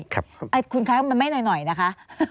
คุณคล้ายมาไม่หน่อยนะคะ